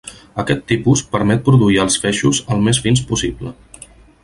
Aquest tipus permet produir els feixos el més fins possible.